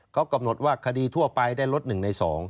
เขากำหนดว่าคดีทั่วไปได้ลดหนึ่งในสอง